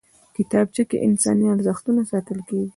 کتابچه کې انساني ارزښتونه ساتل کېږي